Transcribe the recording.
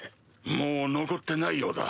もう残ってないようだ。